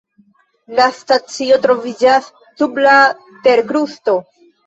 La stacio troviĝas sub la terkrusto.